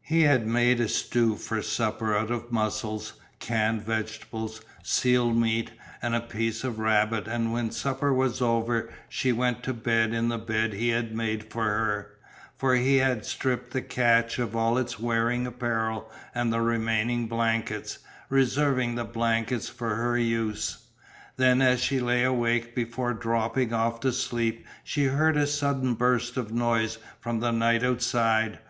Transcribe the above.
He had made a stew for supper out of mussels, canned vegetables, seal meat and a piece of rabbit and when supper was over she went to bed in the bed he had made for her, for he had stripped the cache of all its wearing apparel and the remaining blankets, reserving the blankets for her use. Then as she lay awake before dropping off to sleep she heard a sudden burst of noise from the night outside.